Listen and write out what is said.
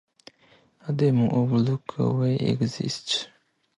A demo of "Look Away" exists.